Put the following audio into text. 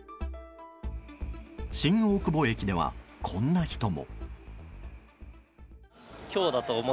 新大久保駅では、こんな人も。